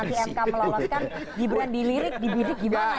kalau nanti mk meloloskan gibran dilirik dibidik gimana ini